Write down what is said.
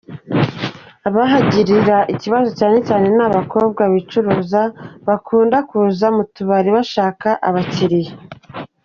Abahagirira ibibazo cyane cyane ni abakobwa bicuruza, bakunda kuza mu tubari gushaka abakiriya.